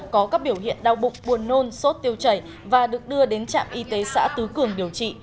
có các biểu hiện đau bụng buồn nôn sốt tiêu chảy và được đưa đến trạm y tế xã tứ cường điều trị